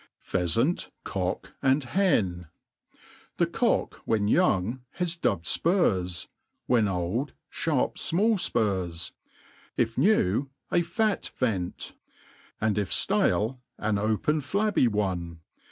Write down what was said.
Pheafant, Cock and Hen. The cock, when young, has dubbed fpurs ; when old, (harp' fmall fpurs ; if new, a fat yent ; and if ftale, an open flab^by one.